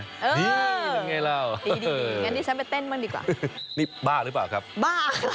อันนี้บ้าจริงหรือเปล่า